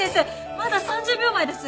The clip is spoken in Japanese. まだ３０秒前です！